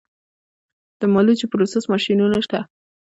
د مالوچو پروسس ماشینونه شته